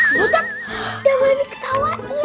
butet udah boleh diketawain